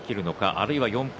あるいは４敗